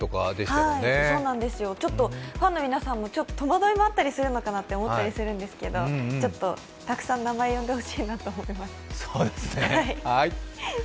ファンの皆さんも戸惑いがあったりするのかなと思ったりするんですけどたくさん名前呼んでほしいなと思います。